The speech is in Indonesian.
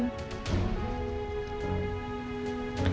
aku cuma mau kamu bantu